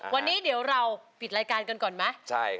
วันนี้เดี๋ยวเราปิดรายการกันก่อนไหม